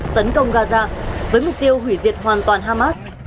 tấn công gaza với mục tiêu hủy diệt hoàn toàn hamas